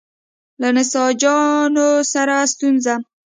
له نساجانو سره ستونزه.